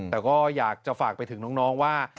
แต่ก็อยากจะฝากไปถึงน้องว่า